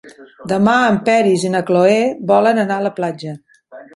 Demà en Peris i na Cloè volen anar a la platja.